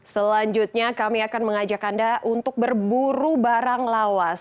selanjutnya kami akan mengajak anda untuk berburu barang lawas